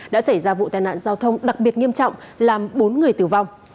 đã xảy ra vụ tai nạn giao thông đặc biệt nghiêm trọng làm bốn người tử vong